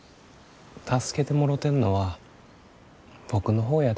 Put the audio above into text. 助けてもろてんのは僕の方やで。